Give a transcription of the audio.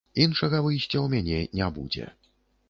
Іншага выйсця ў мяне не будзе.